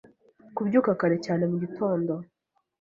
Kubyuka kare cyane mugitondo